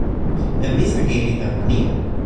jan Misaki li tan ma Nijon.